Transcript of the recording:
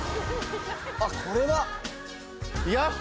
あっこれは。